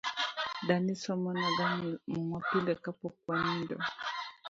Dani somona ga muma pile kapok wanindo